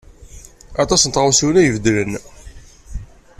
Aṭas n tɣawsiwin ay ibeddlen.